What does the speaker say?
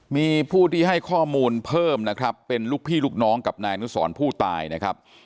มีผู้ที่ให้ข้อมูลเพิ่มนะครับเป็นลูกพี่ลูกน้องกับนายอนุสรผู้ตายนะครับ